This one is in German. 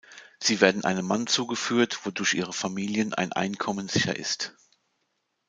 Sie werden einem Mann zugeführt, wodurch ihren Familien ein Einkommen sicher ist.